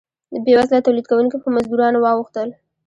بیوزله تولید کوونکي په مزدورانو واوښتل.